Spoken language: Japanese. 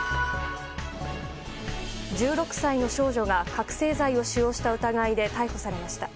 １６歳の少女が覚醒剤を使用した疑いで逮捕されました。